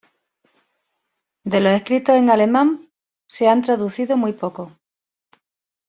De los escritos en alemán se han traducido muy pocos.